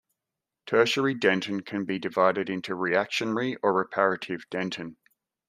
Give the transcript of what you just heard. Tertiary dentin can be divided into reactionary or reparative dentin.